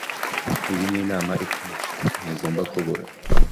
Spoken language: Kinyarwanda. Iyi ni inama ikomeye. Ntugomba kubura.